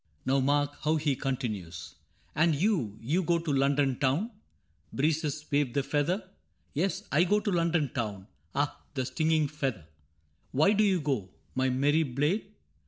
Now mark how he con tinues :*'' And you — you go to London Town ?* (^Breezes waved the feather) —* TeSj I go to London Town,' {Ah J the stinging feather /)—* fFhy do you go^ my merry blade